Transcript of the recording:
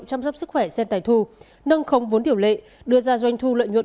chăm sóc sức khỏe sen tài thu nâng không vốn tiểu lệ đưa ra doanh thu lợi nhuận